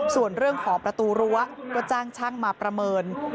ส่วนเรื่องของประตูรั้วก็จ้างช่างมาประเมิน